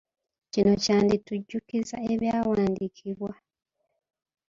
Kino kyanditujjukiza ebyawandiikibwa.